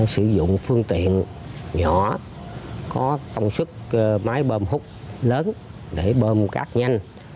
sử dụng phương tiện nhỏ có công suất máy bơm hút lớn để bơm cát nhanh